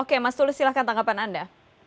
oke mas tulus silahkan tanggapan anda